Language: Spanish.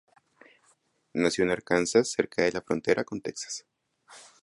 Nació en Arkansas cerca de la frontera con Texas.